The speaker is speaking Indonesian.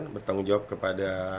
bertanggung jawab kepada